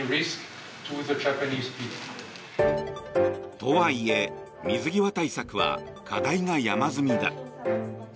とはいえ、水際対策は課題が山積みだ。